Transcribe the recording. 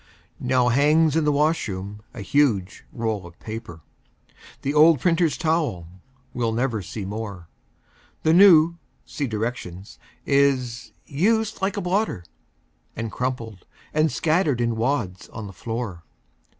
Now hangs in the washroom a huge roll of paper The old printer's towel we'll never see more. The new (see directions) is "used like a blotter," And crumpled and scattered in wads on the floor.